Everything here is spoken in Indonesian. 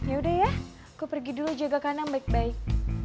yaudah ya gue pergi dulu jaga kandang baik baik